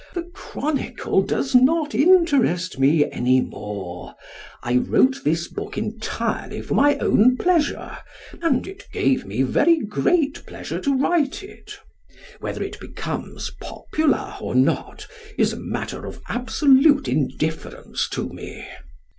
The chronicle does not interest me any more. I wrote this book entirely for my own pleasure, and it gave me very great pleasure to write it. Whether it becomes popular or not is a matter of absolute indifference to me.